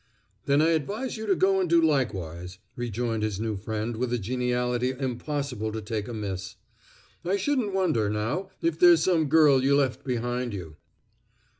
"Then I advise you to go and do likewise," rejoined his new friend with a geniality impossible to take amiss. "I shouldn't wonder, now, if there's some girl you left behind you."